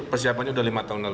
persiapannya sudah lima tahun lalu